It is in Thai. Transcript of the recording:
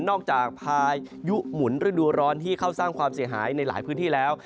จากพายุหมุนฤดูร้อนที่เข้าสร้างความเสียหายในหลายพื้นที่แล้ว